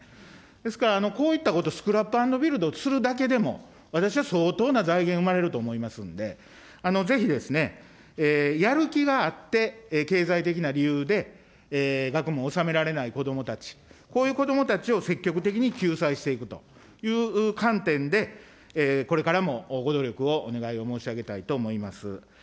ですから、こういったことスクラップアンドビルドするだけでも、私は相当な財源生まれると思いますんで、ぜひ、やる気があって、経済的な理由で学問を修められない子どもたち、こういう子どもたちを積極的に救済していくという観点で、これからもご努力をお願いを申し上げたいと思います。